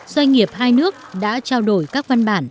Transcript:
doanh nghiệp hai nước đã trao đổi các văn bản